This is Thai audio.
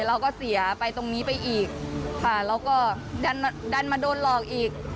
เราก็เสียไปตรงนี้ไปอีกค่ะแล้วก็ดันมาโดนหลอกอีก